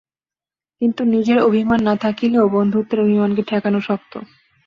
কিন্তু নিজের অভিমান না থাকিলেও বন্ধুত্বের অভিমানকে ঠেকানো শক্ত।